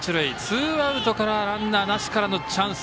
ツーアウトからランナーなしからのチャンス。